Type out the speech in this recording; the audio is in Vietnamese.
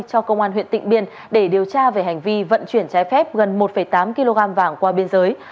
cho công an huyện tịnh biên để điều tra về hành vi vận chuyển trái phép gần một tám kg vàng qua biên giới